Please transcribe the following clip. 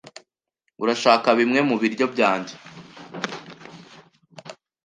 Urashaka bimwe mubiryo byanjye?